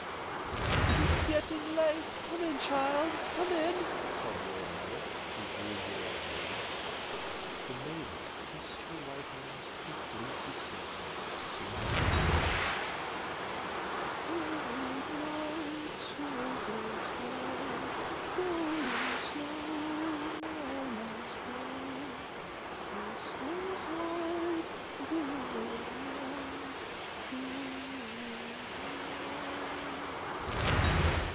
"It is getting late; come in, child! come in!" called the old woman, who grew weary waiting. The maiden kissed her white hands to the fleecy snow flakes, singing like a bird "Good night! Snow flakes white. Golden Snow Now must go. Sisters white, Good night! Good night!"